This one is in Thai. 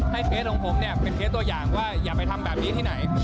เคสของผมเนี่ยเป็นเคสตัวอย่างว่าอย่าไปทำแบบนี้ที่ไหน